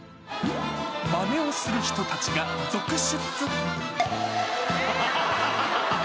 まねをする人たちが続出。